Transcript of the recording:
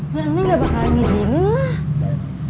neng gak bakalan ijinin lah